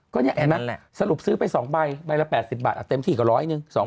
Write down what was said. ก็เนี่ยสรุปซื้อไป๒ใบใบละ๘๐บาทเต็มที่กว่าร้อยนึง